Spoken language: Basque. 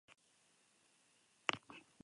Ez du derrigorrez zirkulu horretan sartu behar.